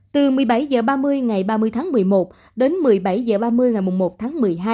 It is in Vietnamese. từ một mươi bảy h ba mươi ngày ba mươi tháng một mươi một đến một mươi bảy h ba mươi ngày một tháng một mươi hai